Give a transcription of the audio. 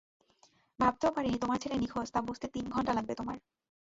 ভাবতেও পারিনি তোমার ছেলে নিখোঁজ তা বুঝতে তিন ঘন্টা লাগবে তোমার।